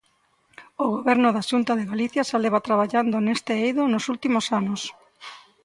O Goberno da Xunta de Galicia xa leva traballado neste eido nos últimos anos.